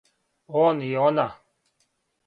Он и она.